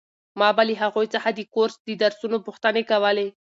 ما به له هغوی څخه د کورس د درسونو پوښتنې کولې.